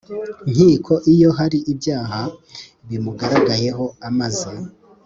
nkiko iyo hari ibyaha bimugaragayeho amaze